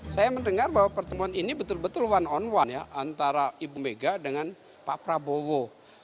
saya mendengar bahwa pertemuan ini betul betul one on one ya antara ibu mega dengan pak prabowo